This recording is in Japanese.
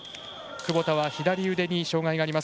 窪田は左腕に障がいがあります。